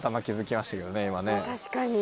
確かに。